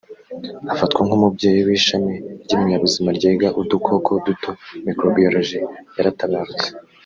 afatwa nk’umubyeyi w’ishami ry’ibinyabuzima ryiga udukoko duto (microbiology) yaratabarutse